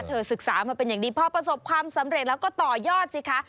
ศึกษามาเป็นอย่างดีพอประสบความสำเร็จแล้วก็ต่อยอดสิคะ